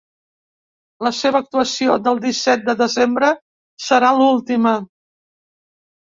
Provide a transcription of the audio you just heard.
La seua actuació del disset de desembre serà l’última.